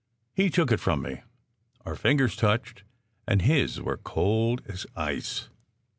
He took it from me. Our fingers touched, and his were cold as ice.